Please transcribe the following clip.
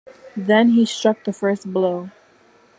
Then he struck the first blow.